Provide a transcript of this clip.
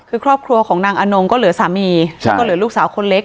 คือครอบครัวของนางอนงก็เหลือสามีแล้วก็เหลือลูกสาวคนเล็ก